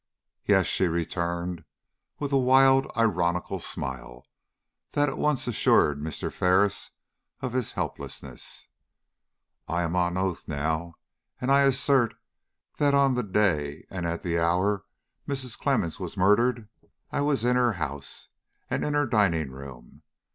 "Yes," she returned, with a wild, ironical smile that at once assured Mr. Ferris of his helplessness. "I am on oath now, and I assert that on the day and at the hour Mrs. Clemmens was murdered, I was in her house and in her dining room.